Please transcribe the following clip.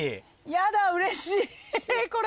ヤダうれしいこれ。